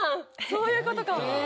そういうことか！